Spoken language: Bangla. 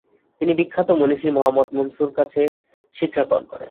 তিনি বিখ্যাত মনীষী মহাম্মদ মনসুরীর কাছে শিক্ষা গ্রহণ করেন।